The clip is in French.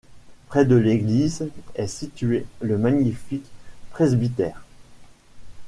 Près de l'église est situé le magnifique presbytère.